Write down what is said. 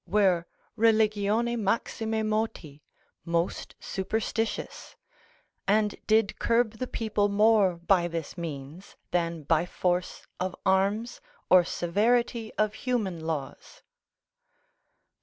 were Religione maxime moti, most superstitious): and did curb the people more by this means, than by force of arms, or severity of human laws.